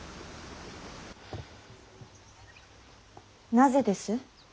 なぜです。